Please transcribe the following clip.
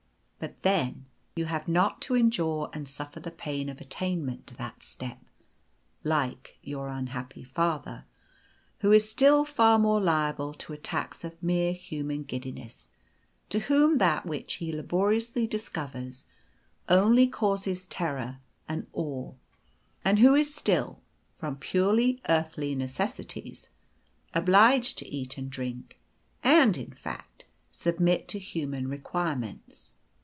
But then, you have not to endure and suffer the pain of attainment to that step, like your unhappy father, who is still far more liable to attacks of mere human giddiness, to whom that which he laboriously discovers only causes terror and awe, and who is still, from purely earthly necessities, obliged to eat and drink and, in fact, submit to human requirements.